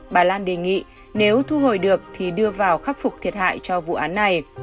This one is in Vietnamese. bà lan đề nghị nếu thu hồi được thì đưa vào khắc phục thiệt hại cho vụ án này